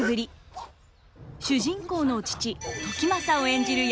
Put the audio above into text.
主人公の父時政を演じる